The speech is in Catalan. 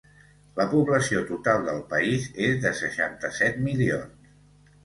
La població total del país és de seixanta-set milions.